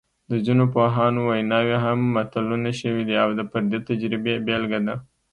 د ځینو پوهانو ویناوې هم متلونه شوي دي او د فردي تجربې بېلګه ده